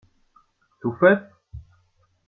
Tufa-t?